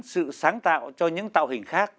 sự sáng tạo cho những tạo hình khác